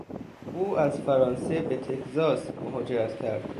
او از فرانسه به تکزاس مهاجرت کرد.